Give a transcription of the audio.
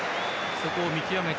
そこを見極めて。